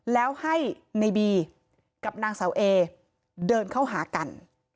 แล้วให้ในบีกับนางเสาเอเดินเข้าหากัน